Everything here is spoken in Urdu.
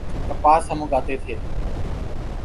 کپاس ہم اگاتے تھے۔